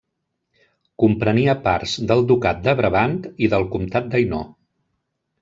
Comprenia parts del ducat de Brabant i del comtat d'Hainaut.